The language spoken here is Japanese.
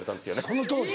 そのとおり。